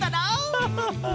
ハハハッ！